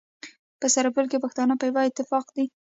په سرپل کي پښتانه په يوه اتفاق دي.